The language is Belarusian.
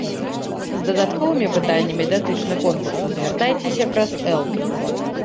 З дадатковымі пытаннямі датычна конкурсу звяртайцеся праз эл.